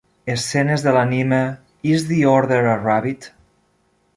Escenes de l'anime "Is the Order a Rabbit?"